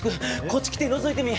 こっち来てのぞいてみ！